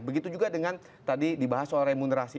begitu juga dengan tadi dibahas soal remunerasi